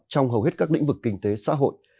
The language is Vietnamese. trong hầu hết các lĩnh vực kinh tế xã hội